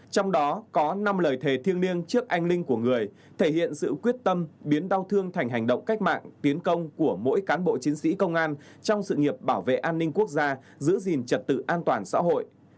thiêng niêng trước anh ninh của người thể hiện sự quyết tâm biến đau thương thành hành động cách mạng tiến công của mỗi cán bộ chiến sĩ công an trong sự nghiệp bảo vệ an ninh quốc gia giữ gìn trật tự an toàn xã hội